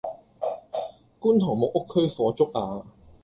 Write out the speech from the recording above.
觀塘木屋區火燭呀